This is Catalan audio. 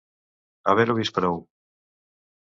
Haver-ho vist prou.